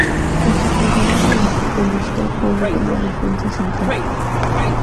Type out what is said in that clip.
En su carrera como futbolista jugó como defensa central.